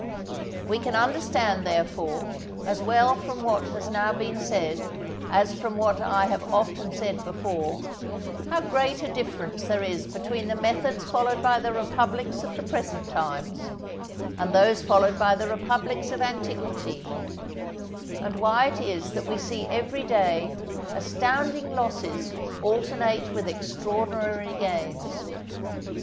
We can understand, therefore, as well from what has now been said, as from what I have often said before, how great a difference there is between the methods followed by the republics of the present times, and those followed by the republics of antiquity; and why it is that we see every day astounding losses alternate with extraordinary gains.